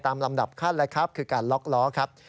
ตามลำดับขั้นคือการล็อกล้อครับ